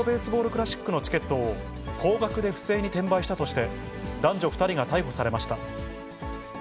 クラシックのチケットを、高額で不正に転売したとして、男女２人が逮捕されました。